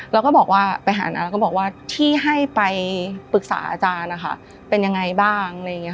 แล้วก็บอกว่าไปหาน้าแล้วก็บอกว่าที่ให้ไปปรึกษาอาจารย์นะคะเป็นยังไงบ้างอะไรอย่างนี้ค่ะ